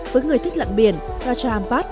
với người thích lặng biển raja ampat